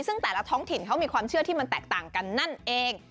ซึ่งแต่ละท้องถิ่นเขามีความเชื่อที่มันแตกต่างกันนั่นเอง